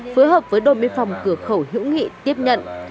phối hợp với đồn biên phòng cửa khẩu hữu nghị tiếp nhận